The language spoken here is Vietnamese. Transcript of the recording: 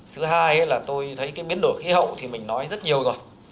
thứ hai là tôi thấy cái biến đổi khí hậu thì mình nói rất nhiều rồi